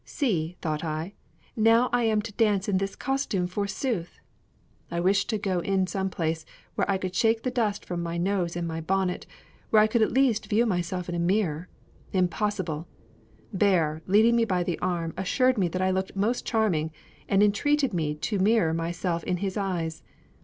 "See," thought I, "now I am to dance in this costume forsooth!" I wished to go into some place where I could shake the dust from my nose and my bonnet; where I could at least view myself in a mirror. Impossible! Bear, leading me by the arm, assured me that I looked "most charming," and entreated me to mirror myself in his eyes.